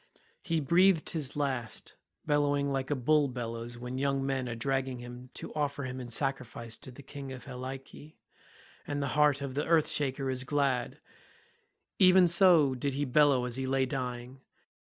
He breathed his last, bellowing like a bull bellows when young men are dragging him to offer him in sacrifice to the King of Helice, and the heart of the earth shaker is glad; even so did he bellow as he lay dying.